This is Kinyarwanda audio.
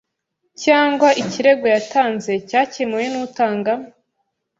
cyangwa ikirego yatanze cyakemuwe n utanga